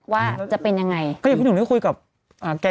ว่าจะเป็นยังไง